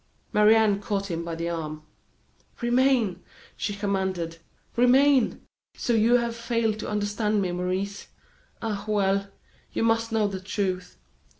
Marie Anne caught him by the arm. "Remain," she commanded, "remain! So you have failed to understand me, Maurice. Ah, well! you must know the truth.